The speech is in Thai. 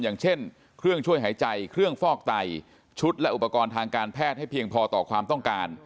อย่างเช่นเครื่องช่วยหายใจเครื่องฟอกไตชุดและอุปกรณ์ทางการแพทย์ให้เพียงพอต่อความต้องการ